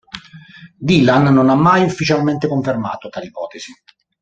Dylan non ha mai ufficialmente confermato tali ipotesi.